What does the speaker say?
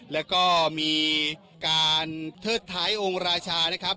และก็มีการเทิดไถ้โรงราชานะครับ